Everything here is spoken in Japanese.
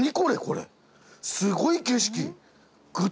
すごい景色。